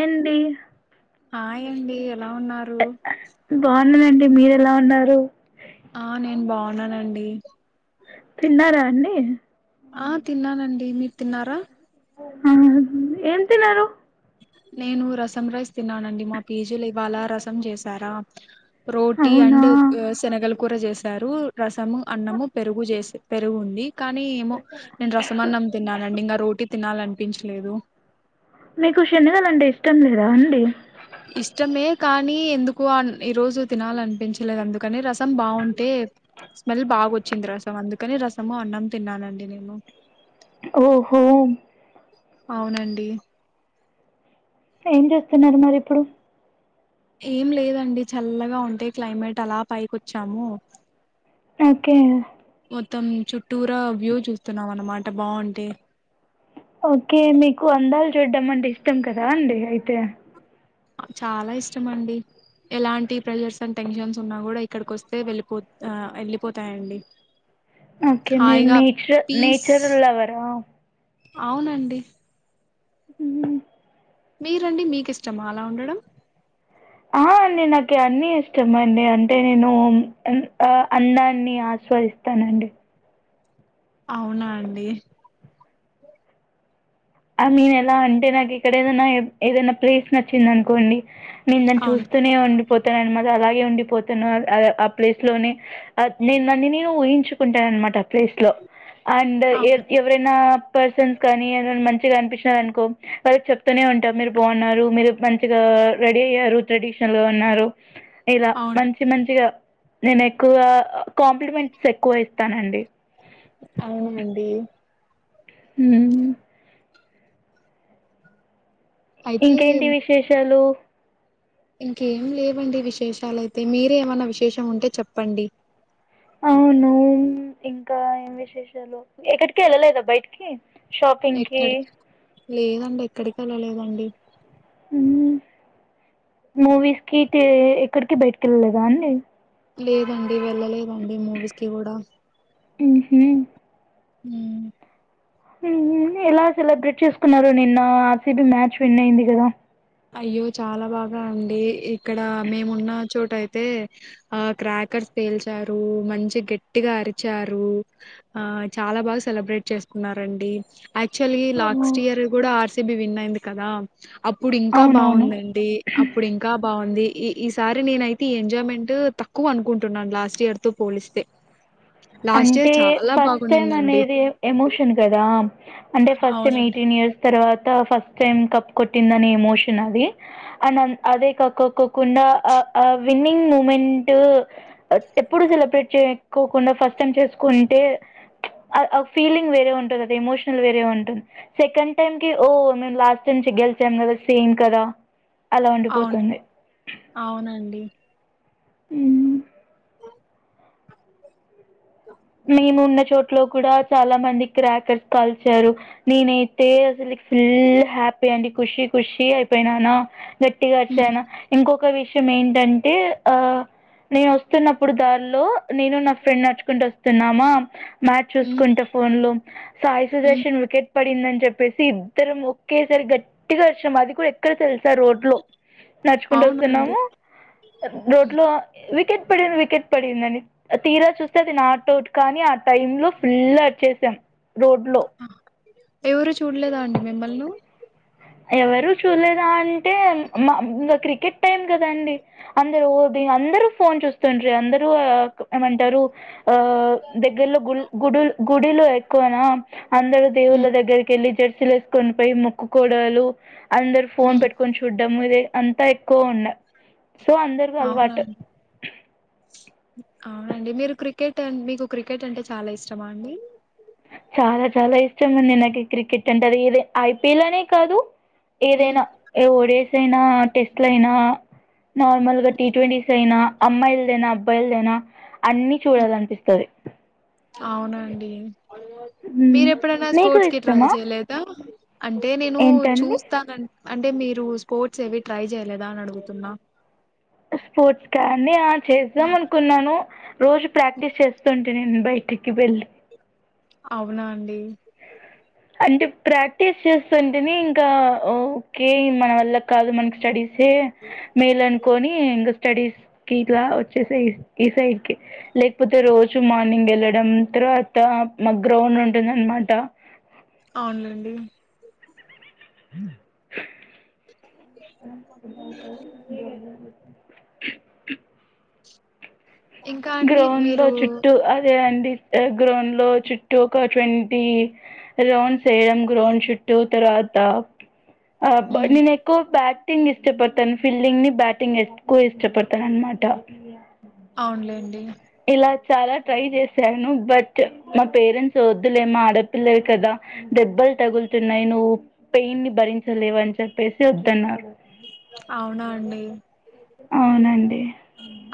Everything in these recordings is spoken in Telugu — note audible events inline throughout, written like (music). ఏంది ఆయండి ఎలా ఉన్నారు? అన్నండి మీరు ఎలా ఉన్నారు? ఆ నేను బావున్నానండి. తిన్నారా అండి? ఆ తిన్నానండి. మీరు తిన్నారా? ఆమ్ ఏం తిన్నారు? నేను రసం రైస్ తిన్నానండి. మా పేజీలు ఇవాళ రసం చేసారా రోటీ అవునా అండ్ శనగలు అ కూడా చేసారు. రసము, అన్నము, పెరుగు చేసి పెరుగుంది కానీ ఏమో నేను రసం అన్నం తిన్నానండి ఇంకా రో టి తినాలనిపించలేదు. మీకు శనగలండి ఇష్టం లేదా అండి. ఇష్టమే కానీ ఎందుకు అన్ ఈరోజు తినాలనిపించలేదు. అందుకని రసం బావుంటే స్మెల్ బాగా వచ్చింది రసం అందుకని రసము, అన్నం తిన్నానండి నేను. ఓహో అవునండి ఏం చేస్తున్నారు మరి ఇప్పుడు? ఏం లేదండి చల్లగా ఉంటే క్లైమేట్ అలా పైకొచ్చాము. ఓకే మొత్తం చుట్టూర వ్యూ చూస్తున్నాం అన్నమాట బావుంటే ఓకే మీకు అందాలు చూడ్డం అంటే ఇష్టం కదా అండి అయితే అ చాలా ఇష్టమ అండి ఎలాంటి ప్రెషర్స్ అండ్ టెన్షన్స్ ఉన్నా కూడా ఇక్కడికి వస్తే వెళ్ళిపో అ వెళ్ళిపోతాయండి. ఓకే మీరు హాయిగా నేచర పీస్ నేచర్ లవరా అవునండి ఉహు మీరండి మీకి ఇష్టం అలా ఉండడం ఆహ నేను నాకి అన్ని ఇష్టం అండి అంటే నేను ఉమ్ ఆ అన్నాన్ని ఆ స్వాదిస్తనండి. అవునా అండి ఆమీన్ ఎలా అంటే నాకు ఇక్కడ ఏదైనా ఏ ఏదైనా ప్లేస్ నచ్చింది అనుకోండి. నేను దాన్ని అవును చూస్తూనే ఉండిపోత త మాది అలాగే ఉండిపోతున్నా ఆ ఆప్లేస్ లోనే అ నేను నన్ను నేని ఊహించుకుంటాన అనమాట మాట ఆ ప్లేస్ లో అండ్ ఏ అవును ఎవరైనా పర్సన్స్ కానీ ఏదన్ మంచి మంచిగా అనిపించినారు అనుకో వాళ్ళ చెప్తూనే ఉంటాం మీరు బావున్నారు, మీరు మంచిగా రెడీ అయ్యారు ట్రెడషన్ ఎలా ఉన్నారు? ఇలా అవును మంచి మంచిగా నేను ఎక్కువగా కాంప్లిమెంట్స్ ఎక్కువ ఇ స్తానండి అవునండి ఉహు అయితే ఇంకేంటి విశేషాలు? ఇంకేం లేవండి విశేషాలైతే మీరేమన్నా విశేషం ఉంటే చెప్పండి? అవును ఇంకా ఏం విశేషాలు ఎక్కడికి వెళ్ళలేదా బయటికి? షాపింగ్ కి ఎక్కడికి లేదండి ఎక్కడికి వెళ్ళలేదండి మ్మ్ మూవీస్ కి ఎక్కడికి బయటకి కెళ్ళలేదా అండి లేదండి వెళ్ళలేదండి మూవీస్ కి కూడా ఉహు ఉను ఎలా సెలబ్రేట్ చేసుకున్నారు నిన్న యాక్చవలీ మ్యాచ్ విన్ అయింది కదా అయ్యో చాలా బాగా అండి ఇక్కడ మేము ఉన్న చోట అయితే ఆ క్రాకర్స్ పేల్చారు మంచి గట్టిగా అరిచారు ఆ చాలా బాగా సెలబ్రేట్ చేసుకు కున్నా రాండి యాక్చవల్ గా ఓహో. లాస్ట్ ఇయర్ కూడా ఆర్ సి బి విన్ అయింది కదా అప్పుడు ఇంకా అవునవును బాగుందండి అప్పుడు ఇంకా బాగుంది ఈ ఈ సారి నేనయితే ఈ ఎంజాయ్మెంట్ తక్కువ అనుకుంటున్నాను లాస్ట్ ఇయర్ తో పోలిస్తే లాస్ట్ అంటే ఇయర్ చాలా ఫస్ట్ టైమ్ బాగుండిందండి అనేది ఎమోషన్ కదా అంటే ఫస్ట్ టైం అవునండి ఎయిటీన్ ఇయర్ తర్వాత ఫస్ట్ టైమ్ కప్ కొట్టింది అనే ఎమోషన్ అది అండ్ అదే కక్కక్కకుండా ఆ ఆ విన్నింగ్ మూమెంట్ ఎప్పుడు సెలబ్రేట్ చేసుకోకుండా ఫస్ట్ టైం చేసుకుంటే ఆ ఫీలింగ్ వేరే ఉంటుంది అది ఎమోషనల్ వేరే ఉంటుంది సెకండ్ టైం కి ఓ మిము లాస్ట్ టైం గెలిచాం కదా సేమ్ కదా అలా అవును ఉండిపోతుంది అవునండి ఉనా మేము ఉన్న చోట్లో కూడా చాలా మంది క్రాకర్స్ కల్చారు నేనైతే అసలు ఫుల్ హ్యాపీ అండి ఖుషీ ఖుషి అయిపోయినాను గట్టిగా హ్మ్. అరిచాను ఇంకొక విషయం విషయం ఏంటంటే ఆ నేను వస్తున్నప్పుడు దారీ లో నేను నా ఫ్రెండ్ నడుచుకుంటూ వస్తు వస్తున్నామా మ్యాచ్ హ్మ్. చూసుకుంటా ఫోన్ లో సాయి హ్మ్. సుదర్శన్ వికెట్ పడిందని చెప్పేసి ఇద్దరం ఒకేసారి గట్టిగా అరిచాం అది కూడా ఎక్కడ తెలు సా రోడ్ లో నడుచుకుంటా అవునండి. వస్తున్నామా రోడ్ లో వికెట్ వికెట్ పడింది వికెట్ పడిందని తీరా చూస్తే అది నాట్ వికెట్ కానీ ఆ టైమ్ లో ఫుల్ అరిచేసాం రోడ్ లో ఎవరు చూడలేదా అండి మిమ్ములను ఎవరు చూడలేదా అంటే మా ఇంకా క్రికెట్ టైం కాదండి అందరు దీని అందరు ఫోన్ చూస్తు ఉంటారు అందరు అని అంటారు దగ్గర్లో గుళ్ళు గుడు గుడిలో ఎక్కువనా అందరూ దేవుళ్ళ హ్మ్. దగ్గరికి వెళ్ళి జెర్సీలు వేసుకొని పోయి ముక్కుకోవాడలు అందరు ఫోన్ హ్మ్. పెట్టుకొని చూడ్డం ఇదే అంతా ఎక్కువ ఉండా సో అందరికీ అలవాటు అవున మీరు క్రికెట్ మీకు క్రికెట్ అంటే చాలా ఇష్టమా అండి చాలా చాలా ఇష్టం అండి నాకు క్రికెట్ అంటే అది ఇదే ఐపిఎల్ అనే కాదు హ్మ్. ఏదైనా ఓవర్స్ అయినా టెస్ట్ లు అయినా నార్మల్ గా టీ హ్మ్. ట్వంటీస్ అయినా అమ్మాయిలదేనా అబ్బాయిలదేనా అన్ని చూడాలని అనిపిస్తాది అవునా అండి హ్మ్. మీరు ఎప్పుడైనా మీకు స్పోర్ట్స్ కి ట్రై ఇష్టమా చేయలేదా అంటే నేను ఏంటండి చూస్తానా అంటే మీరు స్పోర్ట్స్ ఏవి ట్రై చేయలేదా అని అడుగుతున్నా స్పోర్ట్స్ కా అండి ఆ చేద్దాం హ్మ్. అనుకున్నాను రోజు హ్మ్. ప్రాక్టీస్ చేస్తు ఎండ ఎక్కకి వెళ్ళ్ అవునా అండి అంటే ప్రాక్టీస్ చేస్తుంటిని ఇంకా ఓకే మన వల్ల కాదు మనకి స్టడీస్ ే మేలనుకోని ఇంగ స్టడీస్ కిట్ల వచ్చేసి ఈ సైడ్ కి లేకపోతే రోజు మార్నింగ్ వెళ్లడం తర్వాత మాక్ గ్రౌడ్ ఉంటుందన్నమాట అవునులేండి (inaudible) ఇంకా అండి గ్రౌండ్ లో మీరు చుట్టూ అదే అండి గ్రౌండ్ లో చుట్టూ ఒక ట్వంటీ రౌండ్స్ వేయడం గ్రౌండ్ చుట్టూ తరువత్ త అ బ్ హ్మ్. నేను ఎక్కువ బ్యాట్ టింగ్ ఇష్టపడుతాను ఫీల్డింగ్ ని బ్యాటింగ్ ఎక్కువ ఇష్టపడుతాన అన్నమాట అవునులేండి ఇలా చాలా ట్రై చేశాను బట్ మా పేరెంట్స్ వద్దులేమ్మ ఆడపిల్లలు కదా దెబ్బలు తగులుతున్నాయి నువ్వు పెయిన్ ని భరించలేవని చెప్పేసి వద్దన్నారు అవునా అండి అవునండి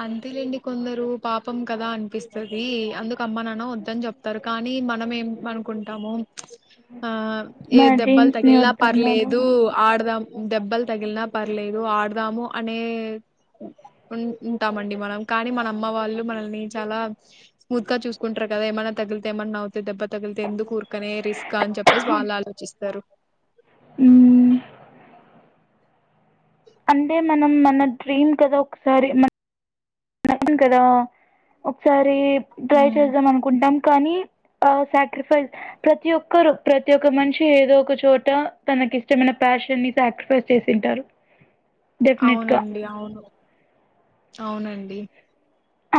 అంతేలెండి కొందరు పాపం కదా అనిపిస్తది అందుకమ్మ నాన్న వద్దని చెప్తారు కానీ మనం ఏం అనుకుంటామొ ఆ ఇగ మన దెబ్బలు డ్రీమ్స్ని తగిలిన వద్దన్నారు పర్లేదు ఆడుదాం దెబ్బలు తగిలినా పర్లేదు ఆడుదాము అనే ఉం ఉంటామండి మనం కానీ మన అమ్మ వాళ్ళు మనల్ని చాలా స్మూత్ గా చూసుకుంటారు కదా ఏమైనా తగిలితే ఏమన్నా అవ్ దెబ్బ తగిలితే ఎందుకు కూరుకనే రిస్క్ అని చెప్పేసి వాళ్ళు ఆలోచిస్తారు మ్ అంటే మనం మన డ్రీమ్ కదా ఒకసారి మన అవును కదా ఒకసారి ట్రై ఉమ్. చేద్దాం అనుకుంటాం కానీ ఆ సాక్రిఫైస్ ప్రతి ఒక్కరు ప్రతి ఒక్క మనిషి ఏదో ఒక చోట తన కిష్టమైన ప్యాషన్ ని సాక్రిఫైస్ చేసింటారు డెఫినెట్గా అవునండి అవును అవునండి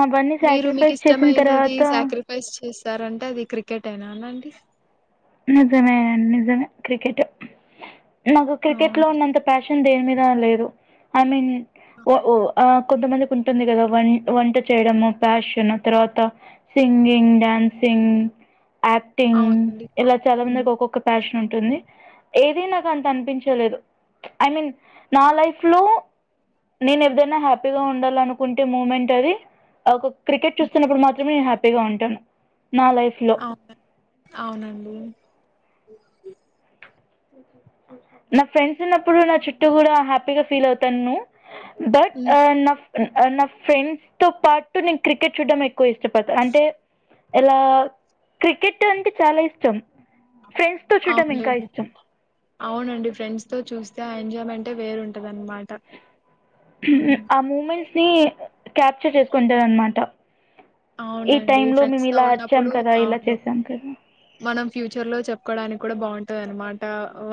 అవన్నీ మీరు మీకు సాక్రిఫైస్ చేసిన ఇష్టమైనది తర్వాత సాక్రిఫైస్ చేస్ స్తారంటే అది క్రికెటేనా అననండి నిజమే నిజమే క్రికెటే నాకు క్రికెట్ లో అవును. ఉన్నంత ప్యాషన్ దేని మీద లేదు ఐ మీన్ ఓ ఒ ఆ కొంతమందికి ఉంటుంది కదా వన్ వంట చేయడము ప్యాషన్ ఆ తవాత సిం గింగ్ డ్యాన్సింగ్ యాక్టింగ్ అవునండి. ఇలా చాలా హ్మ్. మందికి ఒకొక్క ప్యా షన్ ఉంటుంది ఏదిీ నాకు అంత అనిపించలేదు ఐ మీన్ నా లైఫ్ లో నేను ఎదైనా హ్యాపీగా ఉండాలనుకుంటే మూమెంట్ అది ఒక క్రికెట్ హ్మ్. చూస్తున్నప్పుడు మాత్రమే నేను హ్యాపీగా ఉంటాను నా లైఫ్ లో నండి నా ఫ్రెండ్స్ ఉన్నప్పుడు నా చుట్టూ కూడా హ్యాపీగా ఫీల్ అవుతాను బట్ హ్మ్. అ నఫ్ నా ఫ్రెండ్స్ తో పాటు నేను క్రికెట్ చూడ్టడం ఎక్కువ ఇష్టపడుతాను అంటే ఏలా క్రికెట్ అంటే చాలా ఇష్టం ఫ్రెండ్స్ తో చూడటడం ఇంకా అవునులెండి. ఇష్టం అవునండి ఫ్రెండ్స్ తో చూస్తే ఆ ఎంాయ్మెంటే వేరూంటద్ ఆ మూమెంట్స్ ని క్యాప్చర్ చేసుకుంటాదన్నమాట ఈ అవునండి. టైమ్ లో మేము ఫ్రెండ్స్‌తో ఇలా అరిచం ఉన్నప్పుడు కదా ఇలా అవును. చేసాం కదా మనం ఫ్యూచర్ లో చెప్పుకోడానికి కూడా బాగుంటది అనమాట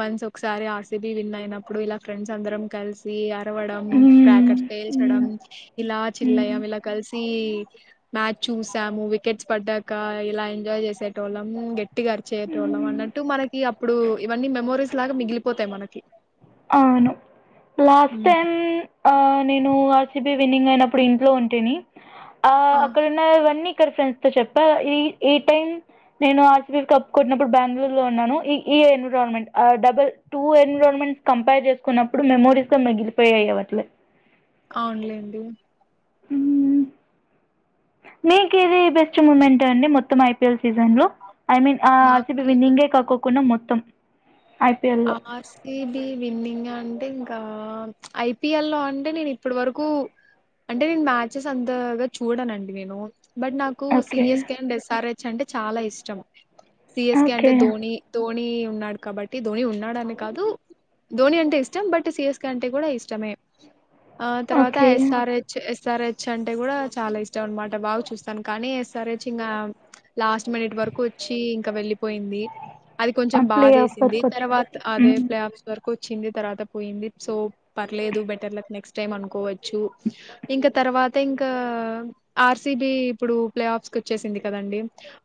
వన్స్ ఒకసారి ఆర్సిబి విన్ అయినప్పుడు ఇలా ఫ్రెండ్ మంచ్ అందరం కలిసి ఆ రవడం మ్మ్. క్రాకర్ పేల్చడం మ్మ్. ఇలా మ్మ్. చిల్లయం ఇలా కలిసి మ్యాచ్ చూసాము వికెట్స్ పడ్డాక ఇలా ఎంజాయ్ చేసేటోళ్ళం ట్టిగారిచేటోల్లం మ్మ్. అన్నట్టు మనకి అప్పుడు ఇవన్నీ మెమోరీస్ లాగా మిగిలిపోతాయి మనకి అవును లాస్ట్ ఉమ్. టైమ్ ఆ నేను ఆర్సీబీ విన్నింగ్ అయినప్పుడు ఇంట్లో ఉంటిని ఆ అక్కడున్నవన్నీ ఇక్కడి ఫ్రెండ్స్ తో చెప్ప ఈ టైమ్ నేను ఆర్సీబీ కప్ కొట్టినప్పుడు బెంగళూరు లో ఉన్నాను ఈ ఎన్విరాన్మెట్ ఆ డబల్ టూ ఎన్విరాన్మెట్ కంపర్ చేసుకున్నప్పుడు మెమోరీస్ గా మిగిలిపోయాయి అవట్లే అవునులేండి ఉమ్ నీకు ఇది బెస్ట్ మూమెంట్ అండి మొత్తం ఐపీఎల్ సీజన్ లో ఐ మీన్ ఆ ఆర్సీబీ నాకు విన్నింగే కాక్కోకుడా మొత్తం ఐపీఎల్‌లో. ఆర్సీబి విన్నింగ్ అంటే ఇంక్ కా ఐపిఎల్ లో అంటే నేను ఇప్పటి వరకు అంటే నేను మ్యాచెస్ అంతగా చూడానండి నేను బట్ నాకు okay. CSK and SR H అంటే చాలా ఇష్టం సిఎస్కే ఓకే. అంటే ధోని ధోని ఉన్నాడు కాబట్ టి ధోని ఉన్నాడని కాదు ధోని అంటే ఇష్టం బట్ సియస్ అంటే కూడా ఇష్టమే ఆ తర్వాత ఓకే. ఎస్ఆర్ హెచ్ ఎస్ సరేచ్ అంటే కూడా చాలా ఇష్టం అనమాట బాగా చూస్తాను కానీ ఏస్సరెచ్ ఇంగా లాస్ట్ మినిట్ వరకు వచ్చి ఇంకా వెళ్ళి పోయింది అది ఆ కొంచెం ప్లే ఆఫ్ బాదేసింది వరకు వచ్చింది తర్వాత అదే మ్మ్ ప్లే ఆఫ్స్ వరకు చింది తరువాత పోయింది సో పర్లేదు బెటర్లక్ నెక్స్ట్ టైం అనుకోవచ్చు ఇంకా తర్వాత తర్వాత ఇంకా ఆర్సిబి ఇప్పుడు ప్లే ఆఫ్స్ కు వచ్చేసింది కదా అండి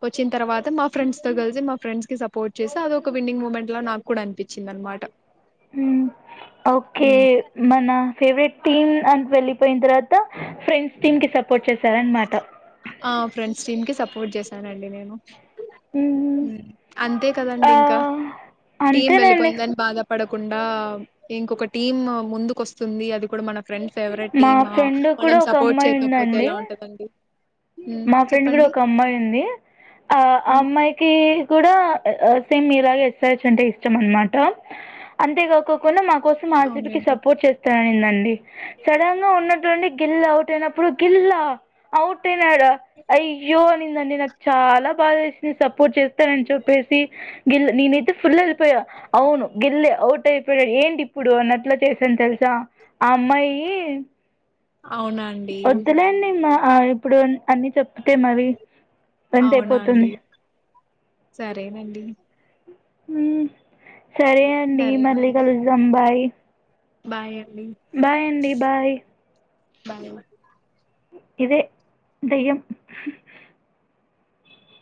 వచ్చిన తర్వాత మా ఫ్రెండ్స్ తో కలిసి మా ఫ్రెండ్స్ కి సపోర్ట్ చేసి అద ఒక విన్నింగ్ మూమెంట్ లో నాకు కూడా అనిపించింది అనమాట ఉమ్ ఓకే ఉమ్. మన ఫేవరెట్ టీమ్ అని వెళ్లిపోయిన తర్వాత ఫ్రెండ్స్ టీమ్ కి సపోర్ట్ చేశార అనమాట ఆ ఫ్రెండ్స్ టీమ్ కి సపోర్ట్ చేసానండి నేను మ్మ్. అంతే కదండి ఆ, ఇంకా టీం అంతేనండి వెళ్ళిపోయిందని బాధ పడకుండా ఇంకొక టీమ్ ముందుకు వస్తుంది అది కూడా మన ఫ్రెండ్ ఫేవరెట్ మా టీమ్ ఫ్రెండ్ మనం కూడా ఒక సపోర్ట్ అమ్మాయి చేయకపోతే ఉందండి ఎలా ఉంటదండి హ్మ్. మా ఫ్రెండ్ కూడా చెప్పండి ఒక అమ్మాయి ఉంది ఆ అమ్మాయికి కూడా సేమ్ మీలాగ ఎస్సరెచ్ అంటే ఇష్టం అనమాట అంతేకాక్కకుండా మాకు కోసం ఆర్సీబీకి అవునండి సపోర్ట్ చేస్తాననిందండి సడన్ గా ఉన్నట్టుండి గిల్ ఔట్నప్పుడు గీల్ల ఔట్ పోయాడా అయ్యో అనిందండి నాకు చాలా బాధేసింది సప్ పోర్ట్ చేస్తానని చెప్పేసి గిల్ నేనైతే ఫుల్ వెళ్ళిపోయా అవును గిల్లే అవుట్ అయిపోయాడు ఏంటి ఇప్పుడు అన్నట్ల చేశాను తెలుసా ద ఆ అమ్మాయి అవున అండి వద్దులేండి మా ఆ ఇప్పుడు అన్ని చెప్తే మరి గంట అవునా అండి అయిపోతుంది సరేనండి ఉమ్ సరే అండి మళ్ళీ కలుసాం బాయ్ బాయ బాయ్ అండి బాయ్ బాగల ఇదే దయ్యం